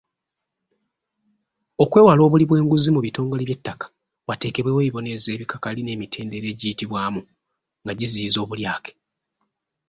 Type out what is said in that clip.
Okwewala obuli bw’enguzi mu bitongole by’ettaka, wateekebwewo ebibonerezo ebikakali n’emitendera egiyitibwamu nga giziyiza obulyake.